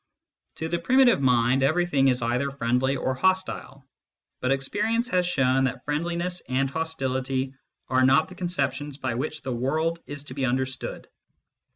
To the primitive mind, everything is either friendly or hostile ; but experience has shown that friendliness and hostility are not the conceptions by which the world is to be understood.